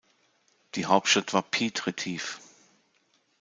Die Hauptstadt war Piet Retief.